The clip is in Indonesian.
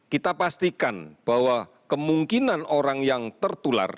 kita pastikan bahwa kemungkinan orang yang tertular